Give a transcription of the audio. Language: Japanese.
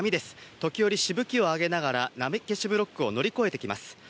時折しぶきを上げながら波消しブロックを乗り越えてきます。